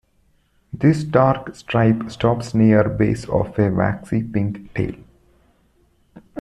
This dark stripe stops near base of a waxy-pink tail.